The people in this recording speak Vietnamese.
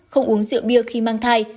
không uống rượu bia khi mang thai